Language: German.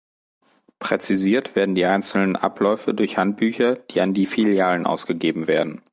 Präzisiert werden die einzelnen Abläufe durch Handbücher, die an die Filialen ausgegeben werden.